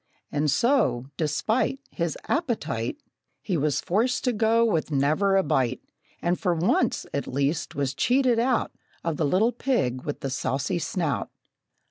And so, despite His appetite, He was forced to go with never a bite, And for once, at least, was cheated out Of the little pig with the saucy snout.